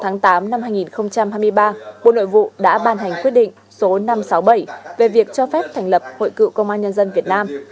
ngày tám hai nghìn hai mươi ba bộ nội vụ đã ban hành quyết định số năm trăm sáu mươi bảy về việc cho phép thành lập hội cựu công an nhân dân việt nam